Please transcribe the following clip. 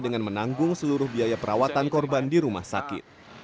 dengan menanggung seluruh biaya perawatan korban di rumah sakit